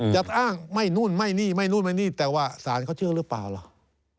จะอ้างไม่นู่นไม่นี่ไม่นู่นไม่นี่แต่ว่าศาลเขาเชื่อหรือเปล่าล่ะ